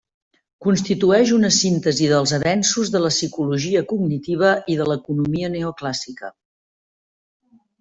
Constitueix una síntesi dels avenços de la psicologia cognitiva i de l'economia neoclàssica.